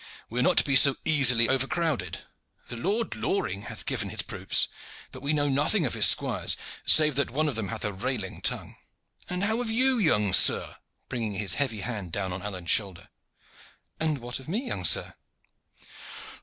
We are not to be so easily overcrowed. The Lord Loring hath given his proofs; but we know nothing of his squires, save that one of them hath a railing tongue. And how of you, young sir?" bringing his heavy hand down on Alleyne's shoulder. "And what of me, young sir?"